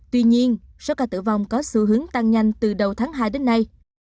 tuy nhiên số ca tử vong có xu hướng tăng nhanh từ đầu tháng hai đến nay